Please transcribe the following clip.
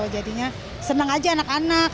jadinya senang aja anak anak